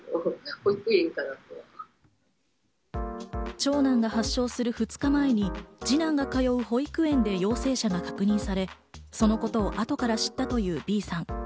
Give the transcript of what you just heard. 長男が発症する２日前に二男が通う保育園で陽性者が確認され、そのことを後から知ったというＢさん。